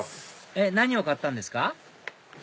えっ何を買ったんですか？